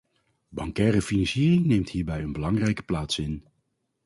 Bancaire financiering neemt hierbij een belangrijke plaats in.